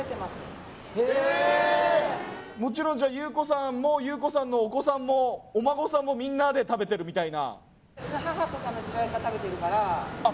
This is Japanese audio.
もちろんじゃあ優子さんも優子さんのお子さんもお孫さんもみんなで食べてるみたいな